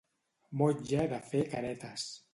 Motlle de fer caretes.